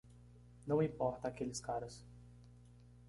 Não importa aqueles caras.